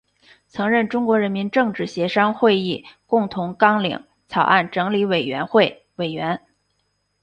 曾任中国人民政治协商会议共同纲领草案整理委员会委员。